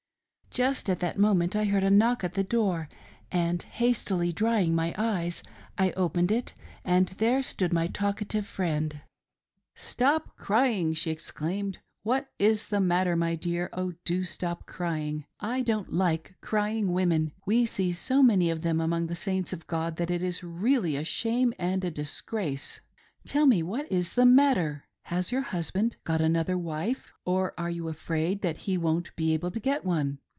Just at that moment I heard a knock at the door, and hastily drying my eyes, I opened it, and there stood my talk ative friend. "Stop crying'!" she exclaimed, "What is the matter, my dear .' Oh do stop crying. I don't like crying women : we see so many of them among the Saints of God that it is really ■a shame and a disgrace. Tell me what is the matter ? Has your husband got another wife, or are you afraid that he won't be able to get one